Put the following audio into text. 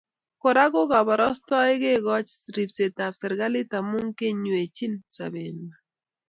Kora ko koborostoik kekoch ribsetap serkali amu kiywechin sobengwai